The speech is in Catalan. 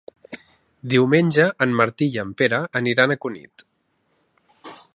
Diumenge en Martí i en Pere aniran a Cunit.